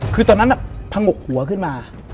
คือตอนนั้นผงกหัวขึ้นมา